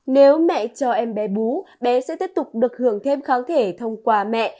nếu mẹ cho em bé bú bé sẽ tiếp tục được hưởng thêm kháng thể thông qua mẹ